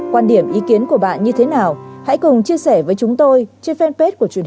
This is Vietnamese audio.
quan điểm ý kiến của bạn như thế nào hãy cùng chia sẻ với chúng tôi trên fanpage của truyền hình công an nhân dân